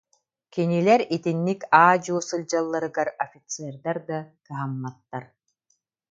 Кинилэр итинник аа-дьуо сылдьалларыгар офицердар да кыһамматтар